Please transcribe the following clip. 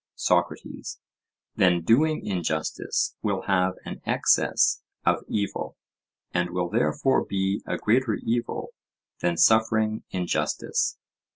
SOCRATES: Then doing injustice will have an excess of evil, and will therefore be a greater evil than suffering injustice?